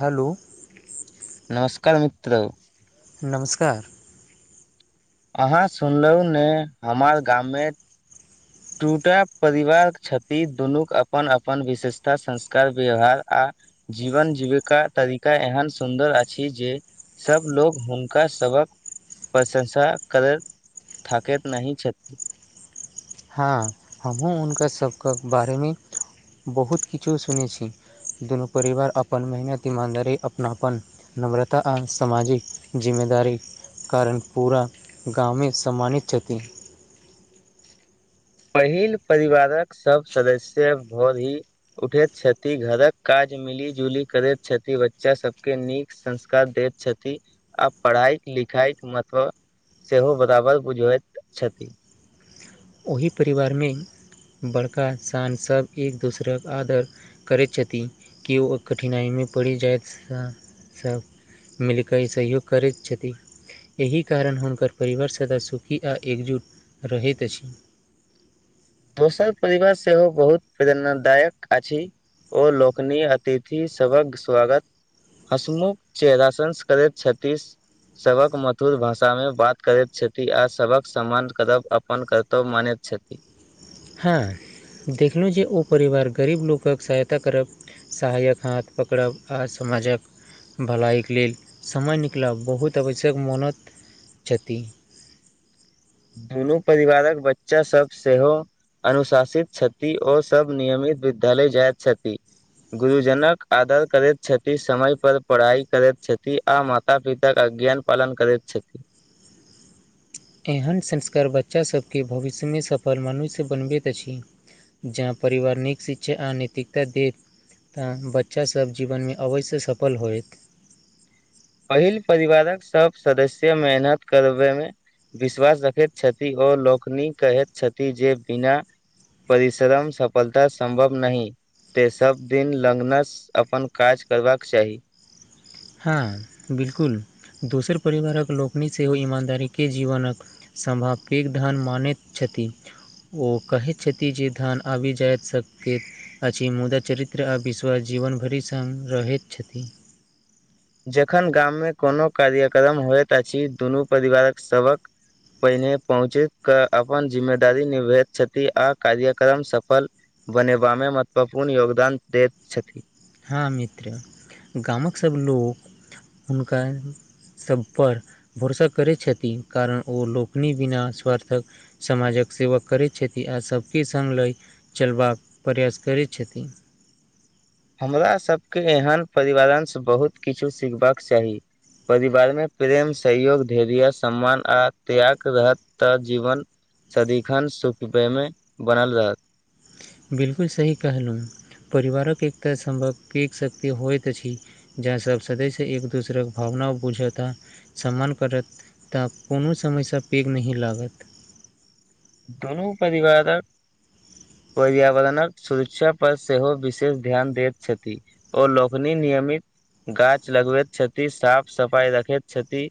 Hello नमस्कार मित्रो नमस्कार अहाँ सुनलहुँ ने हमार गाममे टुटा परिवारक क्षति दुनूक अपन -अपन विशेषता संस्कार व्यवहार आ जीवन जीविका तरिका एहन सुन्दर अछि जे सब लोग हुनका सबहक प्रशंसा करैत थाकैत नहि छथि। हां हम्हुँ हुनका सबके बारे मे बहुत किछो सुनै छी। दुनु परिवार अपन मेहनत ईमानदारी अपनापन नम्रता आ सामाजिक जिम्मेदारी कारण पूरा गामे सम्मानित छथि। पहिल परिवारक सब सदस्य भोर ही उठैत छथि, घरक काज मिली-जुली करैत छथि, बच्चा सबके नीक संस्कार दैत छथि आ पढ़ाइक लिखाइक मत्व सेहो बराबर बुझबैत छथि। ओहि परिवारमे बड़का इन्सान सब एक दोसराक आदर करैत छथि की ओ कठिनाइमे पड़ि जाय से सब मिल के ई सहयोग करैत छथि। यहि कारण हुनकर परिवार सदा सुखी आ एकजुट रहैत अछि। दोसर परिवार सेहो बहुत प्रेरणादायक अछि। ओ लोकनीय अतिथि सबहक स्वागत हसमुख चेहरा संस करैत छत्तीस सबहक मधुर भाषा मे बात करैत छथि आ सबहक सम्मान करब अपन कर् तब मानैत छथि। हां देखलौ जे ओ परिवार गरीब लोकक सहायता करब सहायक हाथ पकड़ब आ समाजक भलाइके लेल समय निकलब बहुत अवश्यक मोनत छति। दुनू परिवारक बच्चा सब सेहो अनुशासित छति ओ सब नियमित विद्यालय जाएत छति। गुरुजनक आदर करैत छथि, समय पर पढ़ाई करैत छथि। आ माता-पिताक अ ज्ञान पालन करैत छथि। एहेन संस्कार बच्चा सबके भविष्यमे सफल मनुष्य बनबैत अछि। जहां परिवार नीक शिक्षा आ नैतिकता देत त बच्चा सब जीवनमे अवश्य सफल होएत पहिल परिवारक सब सदस्य मेहनत करबे मे विश्वास रखैत छथि ओ लोकनी कहैत छथि जे बिना परिश्रम सफलता सम्भव नहि ते सब दिन लगनस अपन काज करबाक चाही। हां बिल्कुल दोसर परिवारक लोकनि सेहो ईमानदारीके जीवनक संभावकिक धन मानैत छथि। ओ कहै छथि जे धन आबि जाएत सबके अछि मुदा चरित्र आ विश्वास जीवनभरि संग रहैत छथि। जखन गाममे कोनो कार्यक्रम होएत अछि दुनू परिवारक सभक पहिने पहुँची कऽ अपन जिम्मेदारी निभभैत छथि आ कार्यक्रम सफल बनेबामे महत्वपूर्ण योगदान दैत छथि। हां मित्र गामक सब लोक हुनकर सब पर भरोसा करय छति कारण ओ लोकनि बिना स्वार्थक समाजक सेवा करय छथि आ सबके संग लए चलबाक प्रयास करैत छथिन। हमरा सबके एहन परिवारन से बहुत किछु सिखबाक चाही। परिवार मे प्रेम, सहयोग, धैर्य, सम्मान आ त्याग रह त जीवन सदिखन सुखबे मे बनल रहत। बिलकुल सही कहलु परिवारक एकता [unintelligible] शक्ति होएत अछि। जहां सब सदस्य एक-दूसरा के भावना बुझत आ सम्मान करत तऽ कोनो समय से पैघ नहि लागत। दुनू परिवारक पर्यावरणक सुरक्षा पर सेहो विशेष ध्यान दैत छथि। ओ लोकनि नियमित गाछ लगबैत छथि, साफ-सफाई रखैत छथि।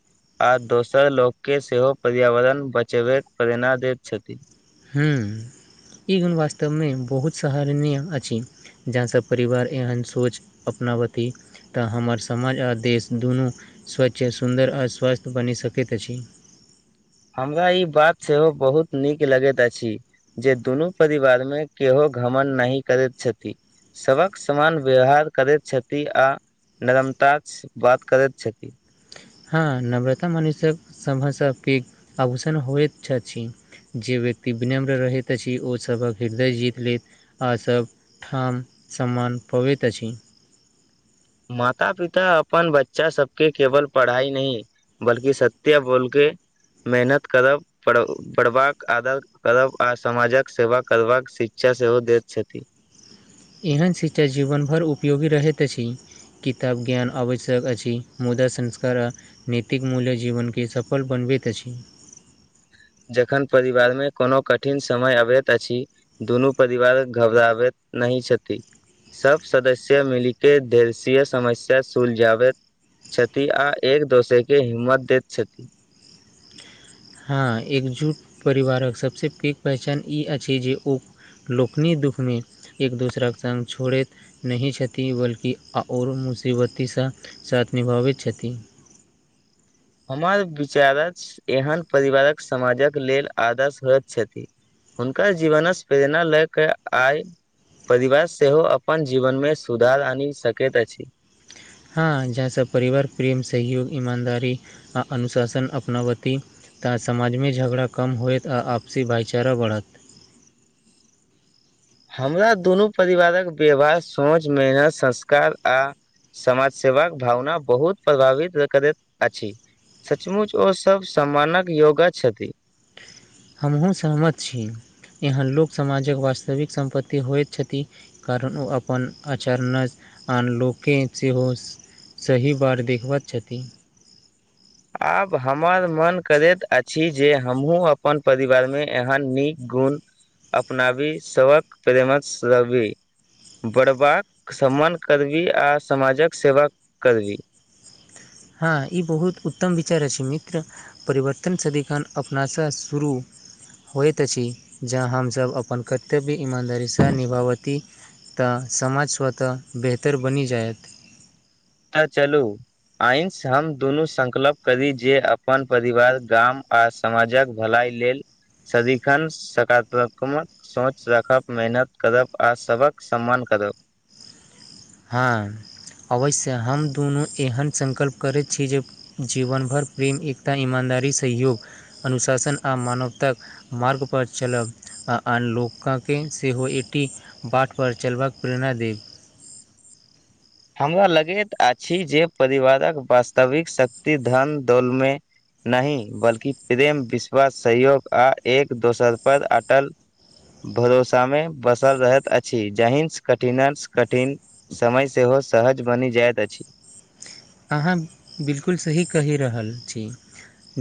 आ दोसर लोक के सेहो पर्यावरण बचेबै के प्रेरणा दैत छथि। हुं ई गुण वास्तव मे बहुत सहारनीय अछि। जहां सब परिवार एहन सोच अपना बती तऽ हमर समाज आ देश दुनू स्वच्छ, सुन्दर आ स्वास्थ बनि सकैत अछि। हमरा ई बात सेहो बहुत नीक लगैत अछि। जे दुनू परिवार मे केहो घमंड नहि करैत छथि। सबक समान व्यवहार करैत छथि आ नरमता [unintelligible] बात करत छथि। हां नव्रता मनुष्य सभसे पैघ आभूषण होएत छछि। जे व्यक्ति विनम्र रहैत अछि ओ सभक हृदय जीत लेत आ सब ठाम, सम्मान पबैत अछि। माता-पिता अपन बच्चा सबके केवल पढ़ाई नहि बल्कि सत्य बोल के मेहनत करब पर पढ़बाक आदर करब आ समाजक सेवा करबाक शिक्षा सेहो दैत छथि। एहन शिक्षा जीवनभर उपयोगी रहैत अछि। किताब ज्ञान आवश्यक अछि मुदा संस्कार आ नैतिक मूल्य जीवन के सफल बनबैत अछि। जखन परिवार मे कोनो कठिन समय अबैत अछि। दुनू परिवारक घबराबैत नहि छथि। सब सदस्य मिली के देलशीय समस्या सुलझावैत छथि आ एक-दोसर के हिम्मत दैत छथि। हां एकजुट परिवारक सबसे पैघ पहचान ई अछि जे ओ लोकनि दुखमे एक-दोसरा के संग छोड़ैत नहि छथि बल्कि अ और मुसीबती से साथ निभावैत छथि। हमर विचारक एहन परिवारक समाजक लेल आदर्श होएत छथि। हुनका जीवनस प्रेरणा लै के आय परिवार सेहो अपन जीवन मे सुधार आनि सकैत अछि। हां जहाँ सब परिवार, प्रेम, सहयोग, ईमानदारी आ अनुशासन अपनावती ता समाजमे झगड़ा कम होएत आ आपसी भाईचारा बढ़त। हमरा दुनू परिवारक व्यवहार, सोच, मेहनत, संस्कार आ समाज सेवाक भावना बहुत प्रभावित [unintelligible] करैत अछि। सचमुच ओ सब सम्मानक योगा छथि। हमहु सहमत छी इहाँ लोक समाजक वास्तविक सम्पत्ति होएत छथि। कारण ओ अपन आचरणा आन लोक के सेहो सही बार देखबत छथि। आब हमर मन करैत अछि जे हमहुँ अपन परिवार मे एहन नीक गुण अपनाबी सबक प्रेमस रहबी। बढ़बाक सम्मान करबी आ समाजक सेवा करबी। हँ ई बहुत उत्तम विचार अइछ मित्र। परिवर्तन सदीखन अपनासँ शुरू- होइत अछि जँ हमसब अपन कर्तव्य ईमानदारी सँ निभाबती- त समाज स्वतः बेहतर बनी जायत। अ चलू। आय सँ हम दुनू सङ्कलप करी जे अपन परिवार गाम आ स- समाजक भलाइ लेल सदीखन सकारात्मक - सोच राखब मेहनत करब आ सबक सम्मान करब। हँ अवश्य हम दुनू एहन सङकल्प करैत छी जे- जीवन भर प्रेम एकता ईमानदारी सहयोग अनुशासन आ मानवतक। मार्ग पर चलब। आ आन लोका के सेहो एकी बाट पर चलबाक प्रेरणा देब। हमरा लगैत अछी जे परिवारक वास्तविक शक्ति धन दौलमे- नही बल्कि प्रेम विश्वास सहयोग आ एक दोसर पर अटल- भरोसामे बसल रहैत अछी जाहीन्स कठीनस कठीन- समय सेहो सहज बनी जाइत अछी। आहाँ बिल्कुल सही कही रहल छी।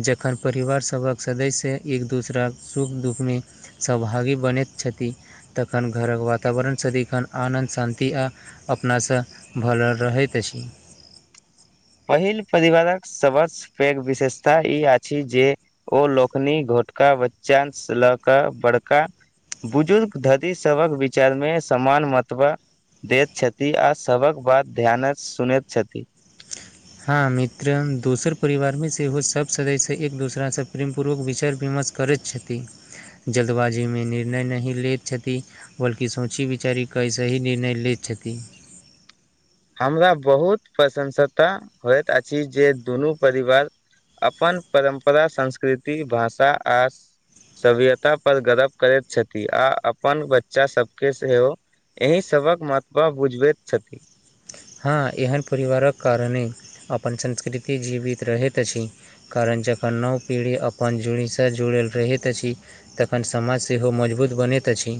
जखन परिवार सबक सदस्य एक दोसराके सुख दुखमे- सौभागी बनैत छथी तखन घरक वातावरण सदीखन आनन्द शान्ति आ- अपनासँ भरल रहैत अछी। पहिल परिवारक सबस पेघ विशेषता ई आछी जे- ओ लोकनी घोटका बच्चान सऽ लऽ के बड़का- बुजुर्ग धती सबक विचारमे समान मतबा- देत छथी आ सबक बात ध्यानऽ सुनैत छथी। हँ मित्रम दोसर परिवार में सेहो सब सदस्य एक दोसरास से प्रेम पूर्वक विचार विमर्श- करैत छथी जल्दबाजीमे निर्णय नही लेत छथी। बल्कि सोची बिचारीक सही निर्णय लैत छथी। हमरा बहुत प्रसंसता होइत अछी जे दुनू परिवार- अपन परम्परा संस्कृति भाषा आ स- सभ्यता पर गरब करैत छथी आ अपन बच्चा सबके सेहो। एहि सबक महत्वा बुझबैत छथी। हँ एहन परिवारक कारणे अपन संस्कृति जीवित रहैत अछि। कारण जखन नव पीढ़ी अपन जड़ीसँ जुड़ल रहैत अछि। तखन समाज सेहो मजबूत बनैत अछि।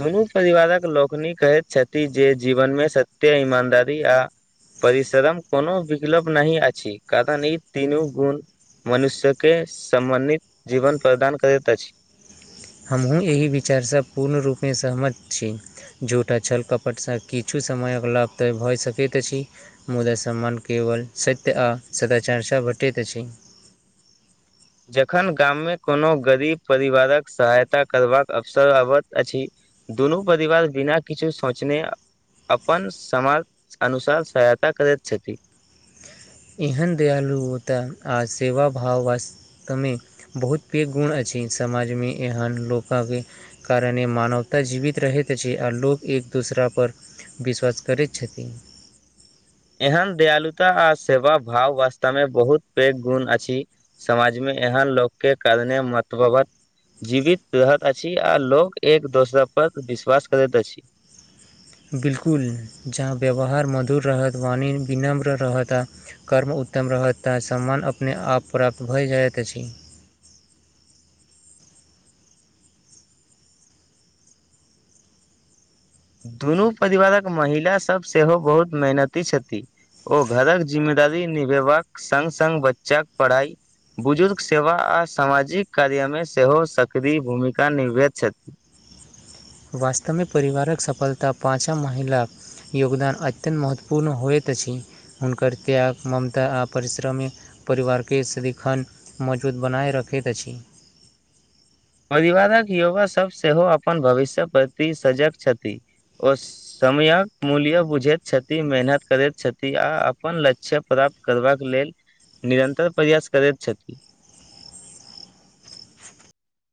दुनू परिवारक लोकनी कहैत छथी जे जीवनमे सत्य ईमानदारी आ- परिशरम कोनो विकलब नहि अछी कारण ई तीनू गून- मनुष्यके समबन्नित जीवन प्रदान करैत अछि। हमहूँ एहि विचारसँ पूर्ण रूपें सहमत छी। जूठ आ छल कपटसँ किछु समय अबल्बध भऽ सकैत अछि। मुदा सम्मान केवल सत्य आ सदाचार सँ बटैत अछि। जखन गाममे कोनो गरीब परिवारक सहायता करबाक अवसर आबत अछि। दुनू परिवार बिना किछु सोचने- अपन समाज अनुसार सहायता करैत छथि। एहन दयालु ओतऽ आ सेवा भाव वास। कमी, बहुत पैघ गुण अछि समाजमे एहन लोक आबि कारण मानवता जीवित रहैत अछि आ लोक एक दोसरा पर विश्वास करैत छथि। एहन दयालुता आ सेवा भाव वास्तव मे बहुत पैघ गुण अछि। समाजमे एहन लोकके कारणे मत्ववत जीवित रहैत अछि आ लोक एक दोसरा पर विश्वास करैत अछि। बिल्कुल, जहाँ व्यवहार मधुर रहत, वाणी विनम्र रहत आ कर्म उत्तम रहत तं सम्मान अपने आप प्राप्त भए जाइत अछि। दुनू परिवारक महिला सब सेहो बहुत मेहनती छथि। ओ घरक जिम्मेदारी निभेबाक सङ्ग सङ्ग बच्चाक पढ़ाइ बुजुर्ग सेवा आ सामाजिक कार्यमे सेहो सक्रिय भूमिका निभवैत छथि। वास्तवमे परिवारक सफलता पाँचम महिला योगदान अत्यन्त महत्वपूर्ण होइत अछि, हुनकर त्याग, ममता आ परिश्रमी परिवारके सदिखन मजबूत बनाए रखैत अछि। परिवारक युवा सब सेहो अपन भविष्यक प्रति सजग छथि, ओ समयक मूल्य बुझैत छथि, मेहनत करैत छथि आ अपन लक्ष्य प्राप्त करबाक लेल निरन्तर प्रयास करैत छथि।